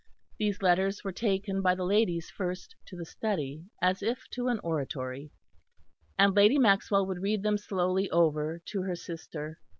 These letters were taken by the ladies first to the study, as if to an oratory, and Lady Maxwell would read them slowly over to her sister.